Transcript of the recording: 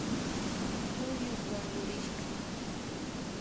Suyuk wankurishka